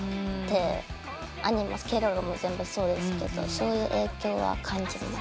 アニメ『ケロロ』も全部そうですけどそういう影響は感じます。